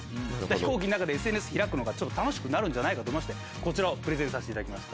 飛行機の中でＳＮＳ開くのが楽しくなるんじゃないかと思いましてこちらをプレゼンさせていただきました。